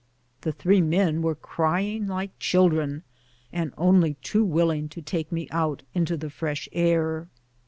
The three men were crying like children, and only too willing to take me out into the fresh air.